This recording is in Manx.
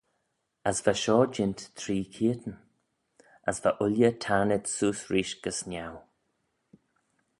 As va shoh jeant three keayrtyn: as va ooilley tayrnit seose reesht gys niau.